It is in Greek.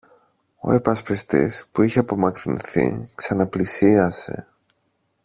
Ο υπασπιστής, που είχε απομακρυνθεί, ξαναπλησίασε.